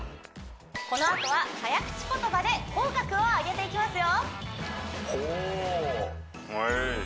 このあとは早口言葉で口角を上げていきますよ